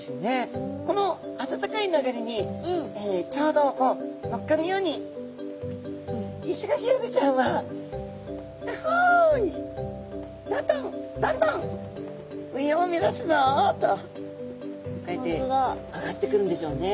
この暖かい流れにちょうどこう乗っかるようにイシガキフグちゃんはキャッホイどんどんどんどん上を目指すぞとこうやって上がっていくんでしょうね